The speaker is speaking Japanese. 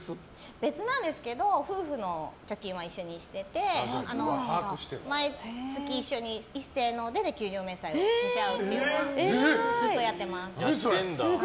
別なんですけど夫婦の貯金は一緒にしていて毎月一緒にいっせのーせで給料明細を見せ合うのはずっとやってます。